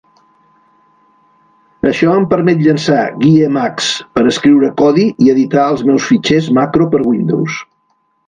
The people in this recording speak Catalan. Això em permet llançar GUI Emacs per escriure codi i editar els meus fitxers macro per Windows.